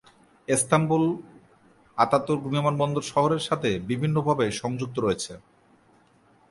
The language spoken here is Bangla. ইস্তাম্বুল আতাতুর্ক বিমানবন্দর শহরের সাথে বিভিন্নভাবে সংযুক্ত রয়েছে।